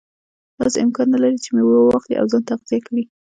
داسې امکان نه لري چې میوه واخلي او ځان تغذیه کړي.